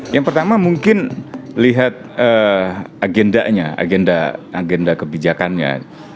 yang pertama mungkin lihat agendanya agenda kebijakannya